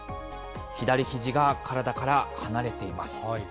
左ひじが体から離れています。